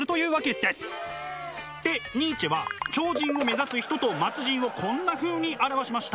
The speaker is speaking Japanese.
でニーチェは超人を目指す人と末人をこんなふうに表しました。